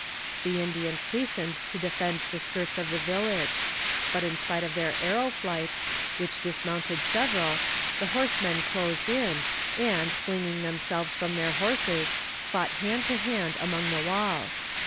The Indians hastened to defend the skirts of the village; but in spite of their arrow flights, which dismounted several, the horsemen closed in, and, flinging themselves from their horses, fought hand to hand among the walls.